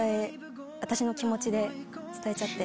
私の気持ちで伝えちゃって。